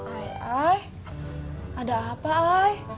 ai ada apa ai